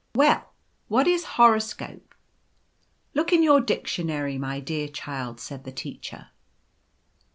" Welly what is horoscope ?"" Look in your dictionary, my dear child," said the Teacher.